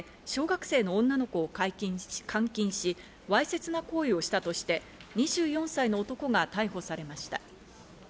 埼玉県草加市の公園のトイレで小学生の女の子を監禁し、わいせつな行為をしたとして２４歳の男が逮捕されました。